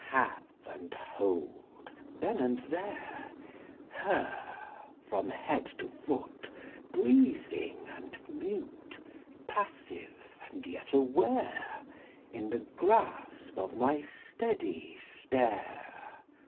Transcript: Have and hold, then and there, Her, from head to foot, Breathing and mute, Passive and yet aware, In the grasp of my steady stare VIII.